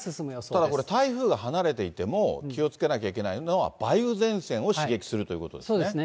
ただこれ台風が離れていても、気をつけなければいけないのは、梅雨前線を刺激するということですね。